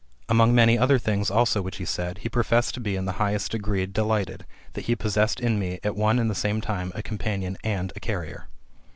Among many other things also which he said, he professed to be in the highest degree delighted, that he possessed in me, at one and the same time, a companion and a carrier.